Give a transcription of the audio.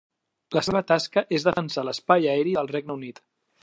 La seva tasca és defensar l'espai aeri del Regne Unit.